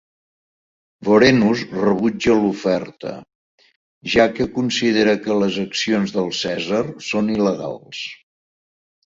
Vorenus rebutja l'oferta, ja que considera que les accions del Cèsar són il·legals.